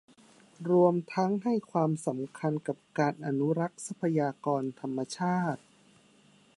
รวมทั้งให้ความสำคัญกับการอนุรักษ์ทรัพยากรธรรมชาติ